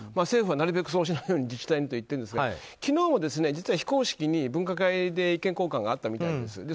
政府はなるべくそうならないようにと言っていますが昨日も実は非公式に分科会で意見交換があったみたいです。